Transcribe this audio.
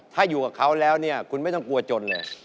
ถ้าอยู่กับเขาแล้วเนี่ยคุณไม่ต้องกลัวจนเลย